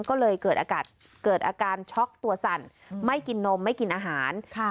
ก็เลยเกิดอากาศเกิดอาการช็อกตัวสั่นไม่กินนมไม่กินอาหารค่ะ